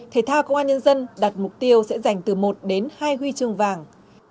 thể thao công an nhân dân đặt mục tiêu sẽ dành từ một đến hai huy chương vàng